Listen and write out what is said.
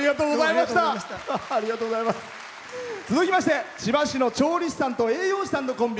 続きまして千葉市の調理師さんと栄養士さんのコンビ。